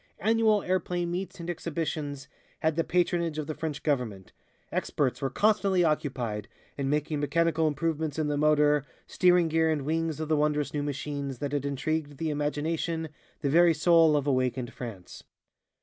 Annual airplane meets and exhibitions had the patronage of the French Government. Experts were constantly occupied in making mechanical improvements in the motor, steering gear and wings of the wondrous new machines that had intrigued the imagination, the very soul of awakened France.